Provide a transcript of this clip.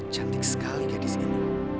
cantik sekali gadis ini